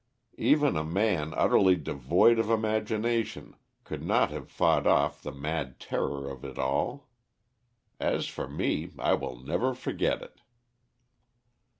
Even a man utterly devoid of imagination could not have fought off the mad terror of it all. As for me, I will never forget it."